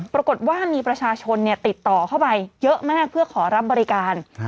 ปรากฏว่ามีประชาชนติดต่อเข้าไปเยอะมากเพื่อขอรับบริการ